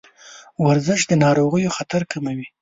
ورزش د ناروغیو خطر کموي.